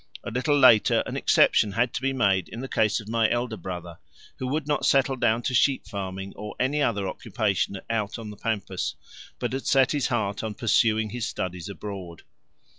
A little later an exception had to be made in the case of my elder brother, who would not settle down to sheep farming or any other occupation out on the pampas, but had set his heart on pursuing his studies abroad.